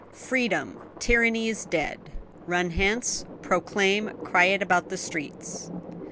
Freedom! tyranny is dead! Run hence, proclaim, cry it about the streets."